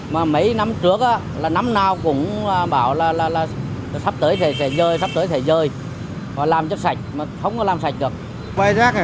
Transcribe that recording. mấy năm trước là năm nào cũng bảo là sắp tới sẽ rơi sắp tới sẽ rơi làm cho sạch mà không có làm sạch được